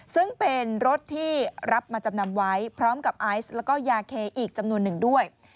ซึ่งเป็นรถที่รับมาจำนำไว้พร้อมกับไอซ์แล้วก็ยาเคอีกจำนวนหนึ่งด้วย